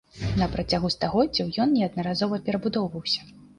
На працягу стагоддзяў ён неаднаразова перабудоўваўся.